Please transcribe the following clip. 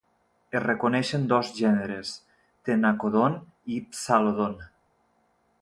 Es reconeixen dos gèneres: "Ctenacodon" i "Psalodon".